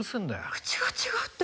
口が違うって？